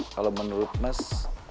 kalau menurut mas